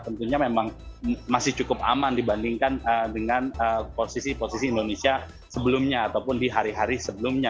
tentunya memang masih cukup aman dibandingkan dengan posisi posisi indonesia sebelumnya ataupun di hari hari sebelumnya